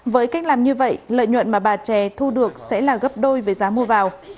với cách làm như vậy lợi nhuận mà bà chè thu được sẽ là gấp đôi với giá mua vào